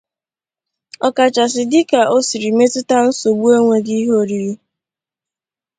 ọkachasị dịka o siri metụta nsogbu énwëghị ihe oriri